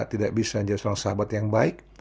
tidak bisa menjadi seorang sahabat yang baik